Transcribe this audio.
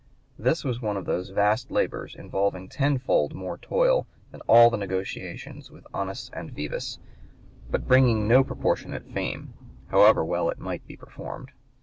This was one of those vast labors, involving tenfold more toil than all the negotiations with Onis and Vivês, but bringing no proportionate fame, however well it might be performed.